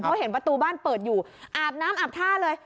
เพราะเห็นประตูบ้านเปิดอยู่อาบน้ำอาบท่าเลย